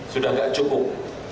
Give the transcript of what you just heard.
sudah tidak cukup